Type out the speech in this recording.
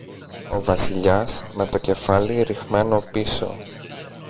Ο Βασιλιάς, με το κεφάλι ριχμένο πίσω